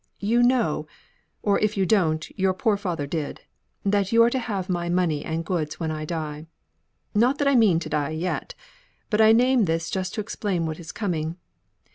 You know, or if you don't, your poor father did, that you are to have my money and goods when I die. Not that I mean to die yet; but I name this just to explain what is coming.